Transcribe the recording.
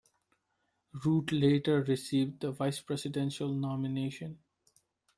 Root later received the vice-presidential nomination.